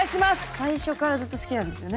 最初からずっと好きなんですよね？